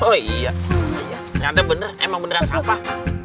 oh iya ternyata bener emang beneran sampah